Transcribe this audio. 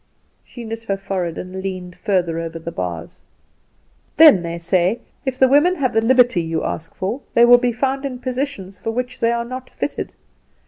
She knit her forehead and leaned further over the bars. "Then they say, 'If the women have the liberty you ask for, they will be found in positions for which they are not fitted!